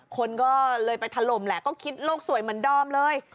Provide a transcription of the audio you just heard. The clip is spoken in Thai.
คนก็เลยไปถล่มแหละก็คิดโลกสวยเหมือนเดิมเลย